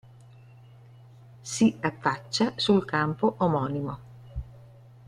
Si affaccia sul campo omonimo.